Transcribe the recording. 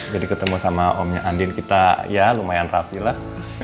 jadi ketemu sama omnya andien kita ya lumayan rafilah